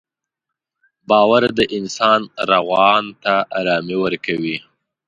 باور د انسان روان ته ارامي ورکوي.